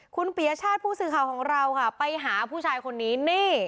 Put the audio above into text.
คุณปียชาติผู้สื่อข่าวของเราค่ะไปหาผู้ชายคนนี้นี่